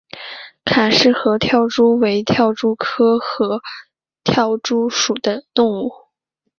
卡氏合跳蛛为跳蛛科合跳蛛属的动物。